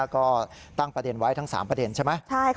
ก็ตั้งประเด็นไว้ทั้ง๓ประเด็นใช่ไหม